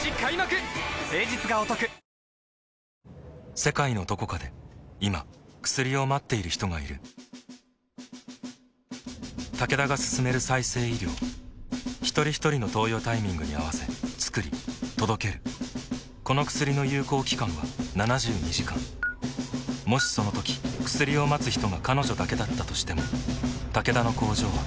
世界のどこかで今薬を待っている人がいるタケダが進める再生医療ひとりひとりの投与タイミングに合わせつくり届けるこの薬の有効期間は７２時間もしそのとき薬を待つ人が彼女だけだったとしてもタケダの工場は彼女のために動くだろう